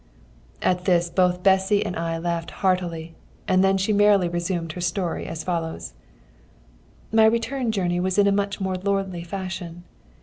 '" At this both Bessy and I laughed heartily, and then she merrily resumed her story as follows: "My return journey was in a much more lordly fashion.